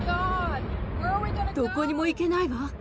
どこにも行けないわ。